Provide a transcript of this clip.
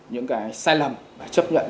những cái sai lầm và chấp nhận